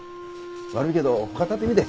悪いけど他当たってみて。